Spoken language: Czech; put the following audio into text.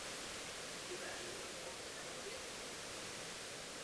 Dokonce nad samotnou existencí odborového hnutí se vznáší otazník.